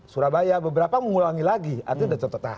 surabaya beberapa mengulangi lagi artinya sudah terpetah